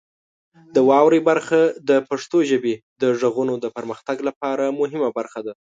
د واورئ برخه د پښتو ژبې د غږونو د پرمختګ لپاره مهمه برخه ده.